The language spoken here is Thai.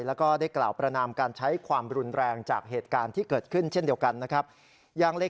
และได้กล่าวประนามการใช้ความรุนแรง